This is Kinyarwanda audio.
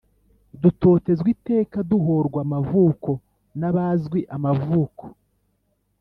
Dutotezwa iteka Duhorwa amavuko N’abazwi amavuko !